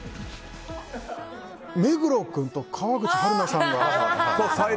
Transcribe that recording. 目黒君と川口春奈さんが。